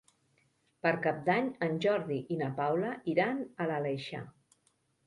Per Cap d'Any en Jordi i na Paula iran a l'Aleixar.